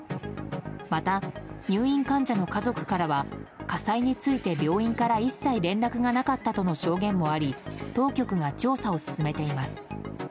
また入院患者の家族からは火災について病院から一切連絡がなかったとの証言もあり当局が調査を進めています。